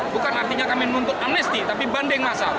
bukan artinya kami menuntut amnesti tapi banding masal